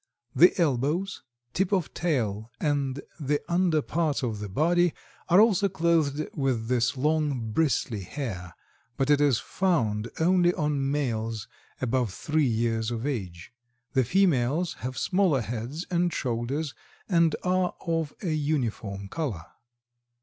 The elbows, tip of tail and the under parts of the body are also clothed with this long, bristly hair, but it is found only on males above three years of age. The females have smaller heads and shoulders and are of a uniform color.